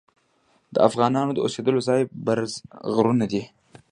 د افغانانو د اوسیدلو ځای برز غرونه دي.